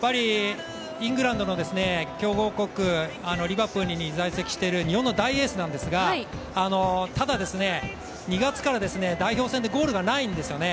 イングランドの強豪国、リバプールに在籍している日本の大エースなんですがただ、２月から代表戦でゴールがないんですよね。